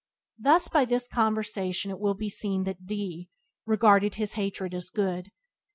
Thus by this conversation it will be seen that D regarded his hatred as good.